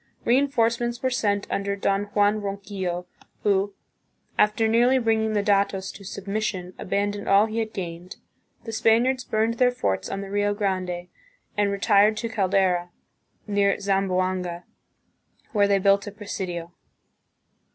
Reinforcements were sent under Don Juan Ronquillo, who, after nearly 152 THE PHILIPPINES. bringing the datos to submission, abandoned all he had gained. The Spaniards burned their forts on the Rio Grande and retired to Caldera, near Zamboanga, where they built a presidio.